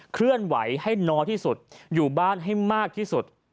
เคลื่อนไหวให้น้อยที่สุดอยู่บ้านให้มากที่สุด